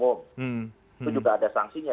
itu juga ada sanksinya